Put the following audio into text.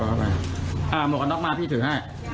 ปล่อยเข้าไปปล่อยเข้าไปอ่าหมวกอันดอกมาพี่ถือให้อ่า